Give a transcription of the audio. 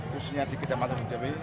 khususnya di kecamatan sumber jambe